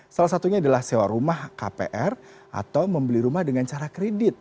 salah satunya adalah sewa rumah kpr atau membeli rumah dengan cara kredit